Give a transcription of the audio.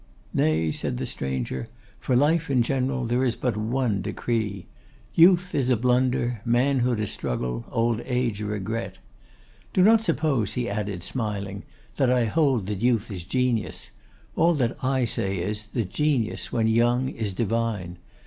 'Nay,' said the stranger; 'for life in general there is but one decree. Youth is a blunder; Manhood a struggle; Old Age a regret. Do not suppose,' he added, smiling, 'that I hold that youth is genius; all that I say is, that genius, when young, is divine.